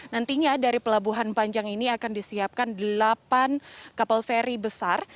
nantinya dari pelabuhan panjang ini akan disiapkan delapan kapal feri besar